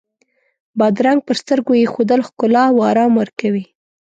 بادرنګ پر سترګو ایښودل ښکلا او آرام ورکوي.